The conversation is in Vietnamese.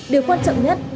điều quan trọng nhất